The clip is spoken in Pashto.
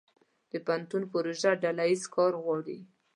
د پوهنتون پروژه ډله ییز کار غواړي.